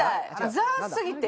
「ザ」すぎて。